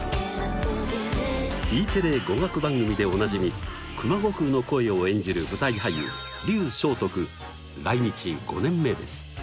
Ｅテレ語学番組でおなじみ熊悟空の声を演じる舞台俳優劉鍾来日５年目です。